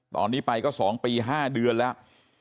ตอนนี้ไปก็๒ปี๕เดือนแล้ว